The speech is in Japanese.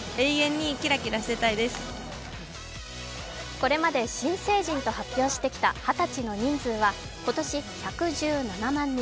これまで新成人と発表してきた二十歳の人数は、今年１１７万人。